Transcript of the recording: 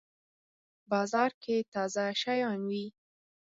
بازار کی تازه شیان وی